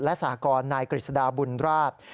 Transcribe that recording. และสหกรนายกฤษฎาบุญราช